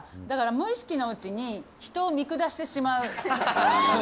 だから、無意識のうちに人を見下してしまう。